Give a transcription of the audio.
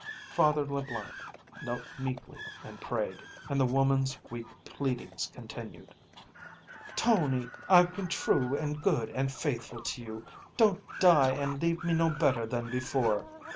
Father Leblanc knelt meekly and prayed, and the woman's weak pleadings continued, "Tony, I've been true and good and faithful to you. Don't die and leave me no better than before.